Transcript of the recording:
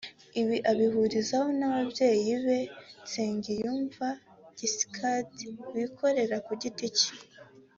Ibi abihurizaho n’ababyeyi be Nsengiyumva Giscard wikorera ku giti cye